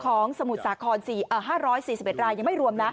สมุทรสาคร๕๔๑รายยังไม่รวมนะ